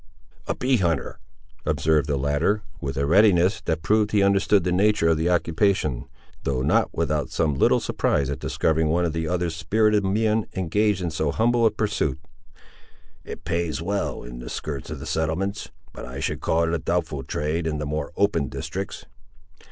"A bee hunter!" observed the latter, with a readiness that proved he understood the nature of the occupation, though not without some little surprise at discovering one of the other's spirited mien engaged in so humble a pursuit. "It pays well in the skirts of the settlements, but I should call it a doubtful trade, in the more open districts."